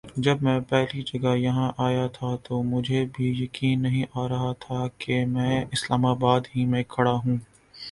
جب میں پہلی جگہ یہاں آیا تھا تو مجھے بھی یقین نہیں آ رہا تھا کہ میں اسلام آباد ہی میں کھڑا ہوں ۔